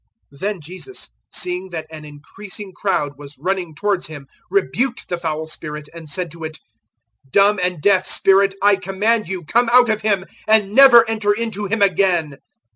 009:025 Then Jesus, seeing that an increasing crowd was running towards Him, rebuked the foul spirit, and said to it, "Dumb and deaf spirit, *I* command you, come out of him and never enter into him again."